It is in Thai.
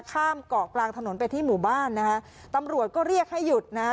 ข้ามเกาะกลางถนนไปที่หมู่บ้านนะฮะตำรวจก็เรียกให้หยุดนะฮะ